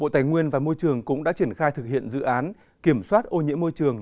bộ tài nguyên và môi trường cũng đã triển khai thực hiện dự án kiểm soát ô nhiễm môi trường